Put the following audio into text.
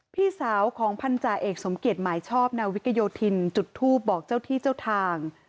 พี่สาวของพันธาเอกสมเกียจหมายชอบนาวิกโยธินจุดทูปบอกเจ้าที่เจ้าทาง